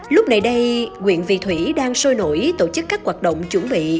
lúc này đây nguyện vị thủy đang sôi nổi tổ chức các hoạt động chuẩn bị